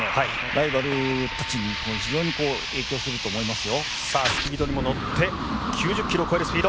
ライバルたちに非常に影響すると思いますよ。